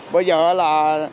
bây giờ là